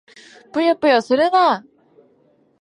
ぷよぷよするな！